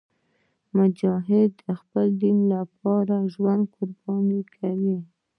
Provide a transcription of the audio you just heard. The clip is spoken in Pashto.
مجاهد د خپل دین لپاره ژوند قرباني کوي.